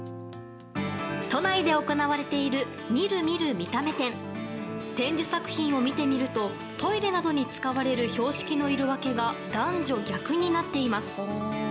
都内で行われている「見る見る見た目展」。展示作品を見てみるとトイレなどに使われる標識の色分けが男女逆になっています。